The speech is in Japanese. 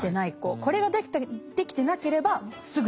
これができてなければすぐに落ちます。